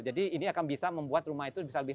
jadi ini akan bisa membuat rumah itu bisa lebih